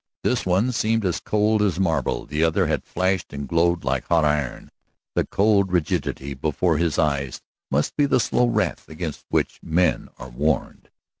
This one seemed as cold as marble; the other had flashed and glowed like hot iron. The cold rigidity before his eyes must be the slow wrath against which men are warned.